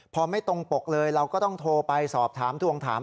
พอไม่ตรงปกเลยเราก็ต้องโทรไปสอบถามทวงถาม